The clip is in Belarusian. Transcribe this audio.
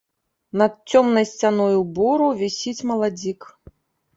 Над цёмнай сцяною бору вісіць маладзік.